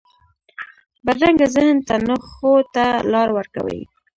بدرنګه ذهن نه ښو ته لار ورکوي